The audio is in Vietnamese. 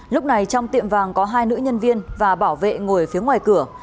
lúc này trong tiệm vàng có hai nữ nhân viên và bảo vệ ngồi phía ngoài cửa